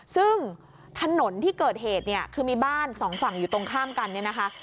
ซึ่งถนนที่เกิดเหตุเนี่ยคือมีบ้านสองฝั่งอยู่ตรงข้ามกันเนี่ยนะคะ